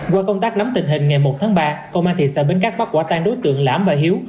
qua công tác nắm tình hình ngày một tháng ba công an thị xã bến cát bắt quả tan đối tượng lãm và hiếu